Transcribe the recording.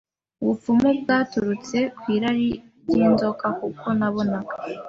ubupfumu byaturutse kwirari jy’inzoga kuko nabonaga